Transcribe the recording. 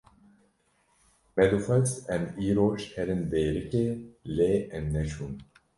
Me dixwest em îroj herin Dêrikê lê em neçûn.